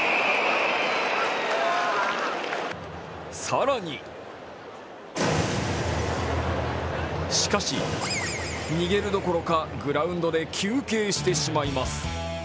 更にしかし逃げるどころかグラウンドで休憩してしまいます。